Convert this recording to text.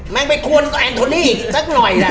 แม่งไปควนกับแอนโทนี่อีกสักหน่อย